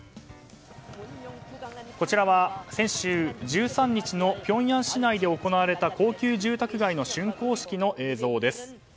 こちらは先週１３日ピョンヤン市内で行われた高級住宅街の竣工式の映像です。